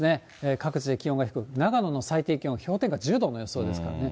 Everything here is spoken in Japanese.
各地で気温が低く、長野の最低気温、氷点下１０度の予想ですからね。